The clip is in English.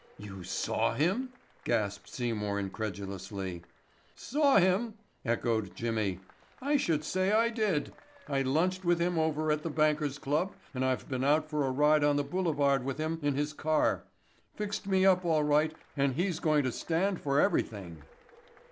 "You saw him?" gasped Seymour incredulously. "Saw him?" echoed Jimmy. "I should say I did. I lunched with him over at the Bankers' Club and I've been out for a ride on the boulevard with him in his car. Fixed me up all right and he's going to stand for everything."